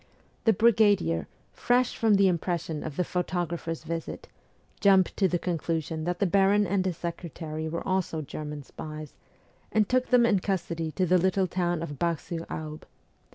The brigadier, fresh from the impression of the photo grapher's visit, jumped to the conclusion that the baron and his secretary were also German spies, and took them in custody to the little town of Bar sur Aube.